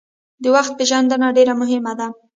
د وخت پېژندنه ډیره مهمه ده.